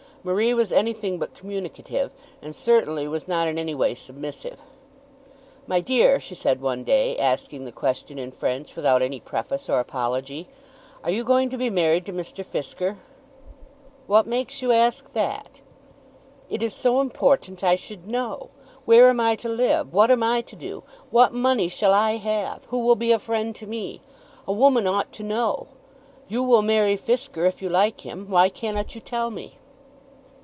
Marie was anything but communicative, and certainly was not in any way submissive. "My dear," she said one day, asking the question in French, without any preface or apology, "are you going to be married to Mr. Fisker?" "What makes you ask that?" "It is so important I should know. Where am I to live? What am I to do? What money shall I have? Who will be a friend to me? A woman ought to know. You will marry Fisker if you like him. Why cannot you tell me?"